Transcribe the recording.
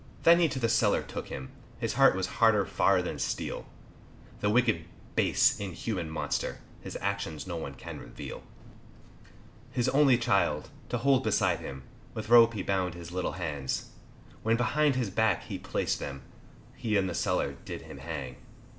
Then he to the cellar took him, His heart was harder far than steel, The wicked, base, inhuman monster, His actions no one can reveal. His only chlld, to hold beside him, With rope he bound his little hands, When behind his back he placed them, He in the cellar did him hang.